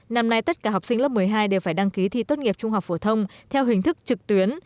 năm nay tất cả học sinh lớp một mươi hai đều phải đăng ký thi tốt nghiệp trung học phổ thông theo hình thức trực tuyến